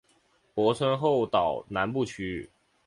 泊村国后岛南部区域。